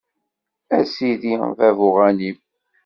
A sidi bab uγanim.